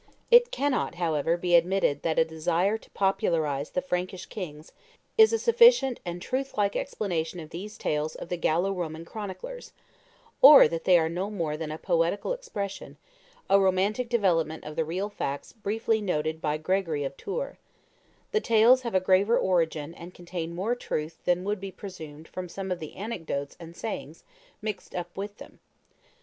It cannot, however, be admitted that a desire to popularize the Frankish kings is a sufficient and truth like explanation of these tales of the Gallo Roman chroniclers, or that they are no more than "a poetical expression," a romantic development of the real facts briefly noted by Gregory of Tours; the tales have a graver origin and contain more truth than would be presumed from some of the anecdotes and sayings mixed up with them.